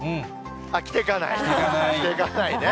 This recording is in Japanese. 着ていかない？着てかないね。